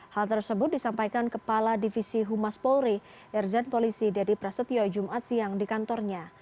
hal tersebut disampaikan kepala divisi humas polri irzan polisi dedy prasetyo jumat siang di kantornya